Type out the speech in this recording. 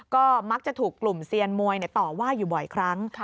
ก็มักจะถูกกลุ่มเซียนมวยต่อว่าอยู่บ่อยครั้ง